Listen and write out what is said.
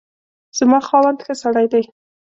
زما خاوند ښه سړی دی